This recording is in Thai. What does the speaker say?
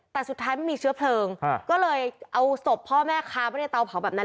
แต่สุดท้ายไม่มีเชื้อเพลิงก็เลยเอาศพพ่อแม่ค้าไว้ในเตาเผาแบบนั้น